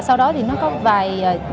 sau đó thì nó có vài